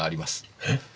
えっ！